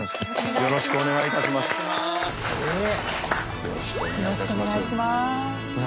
よろしくお願いします。